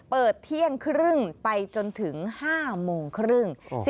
เปิดเที่ยงครึ่งไปจนถึง๕โมงครึ่ง